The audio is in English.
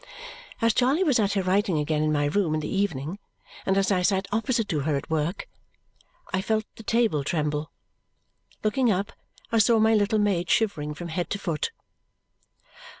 As Charley was at her writing again in my room in the evening, and as I sat opposite to her at work, I felt the table tremble. Looking up, I saw my little maid shivering from head to foot.